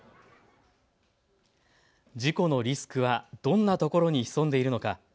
事故のリスクはどんなところに潜んでいるのか。